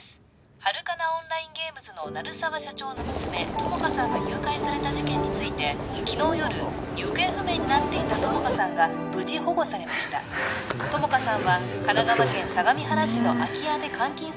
ハルカナ・オンライン・ゲームズの鳴沢社長の娘友果さんが誘拐された事件について昨日夜行方不明になっていた友果さんが無事保護されましたよかったよかったですねよかったですね